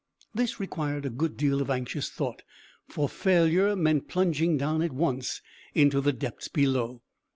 This required a good deal of anxious thought, for failure meant plunging down at once into the depths below.